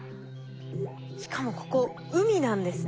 しかもここ海なんですね。